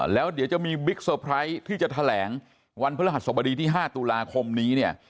แล้วเดี๋ยวจะมีบิ๊กเซอร์ไพรส์ที่จะแถลงวันพระรหัสสบดีที่๕ตุลาคมนี้เนี่ย